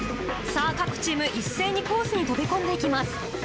さあ、各チーム、一斉にコースに飛び込んでいきます。